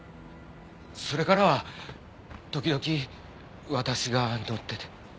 それからは時々私が乗ってて。